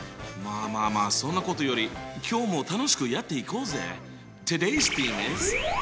まあまあまあそんなことより今日も楽しくやっていこうぜ！